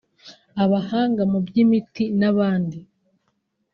abahanga mu by’imiti n’abandi